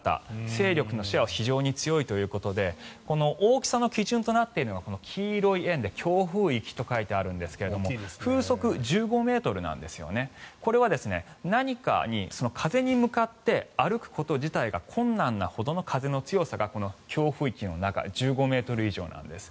勢力としては非常に強いということでこの大きさの基準となっているのが黄色い円で強風域と書いてあるんですが風速１５ｍなんですよね。これは風に向かって歩くこと自体が困難なほどの風の強さがこの強風域の中１５ｍ以上なんです。